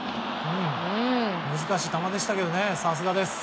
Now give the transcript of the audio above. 難しい球でしたがさすがです。